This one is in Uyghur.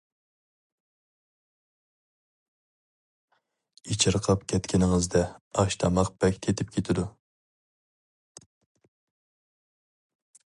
ئېچىرقاپ كەتكىنىڭىزدە ئاش-تاماق بەك تېتىپ كېتىدۇ.